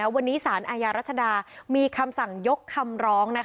วันนี้สารอาญารัชดามีคำสั่งยกคำร้อง